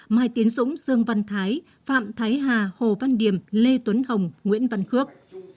mai tiến dũng dương văn thái phạm thái hà hồ văn điểm lê tuấn hồng nguyễn văn khước